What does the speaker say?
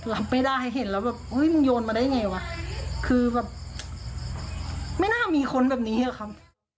รับไม่ได้เห็นแล้วแบบเฮ้ยมึงโยนมาได้ไงวะคือแบบไม่น่ามีคนแบบนี้อะครับ